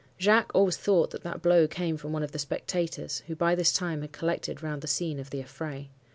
Jacques always thought that that blow came from one of the spectators, who by this time had collected round the scene of the affray.